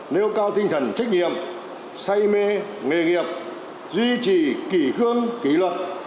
nâng cao tinh thần trách nhiệm say mê nghề nghiệp duy trì kỷ hương kỷ luật